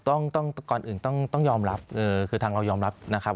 ก่อนอื่นต้องยอมรับคือทางเรายอมรับนะครับ